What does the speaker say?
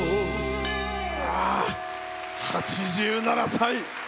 ８７歳。